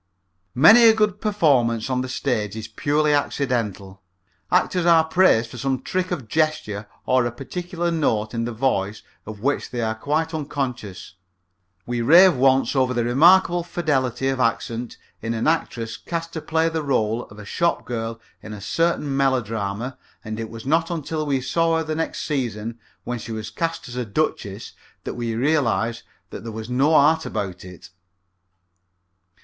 Many a good performance on the stage is purely accidental. Actors are praised for some trick of gesture or a particular note in the voice of which they are quite unconscious. We raved once over the remarkable fidelity of accent in an actress cast to play the rôle of a shop girl in a certain melodrama and it was not until we saw her the next season, when she was cast as a duchess, that we realized that there was no art about it.